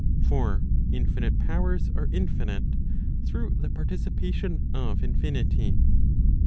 For infinite powers are infinite, through the participation of infinity.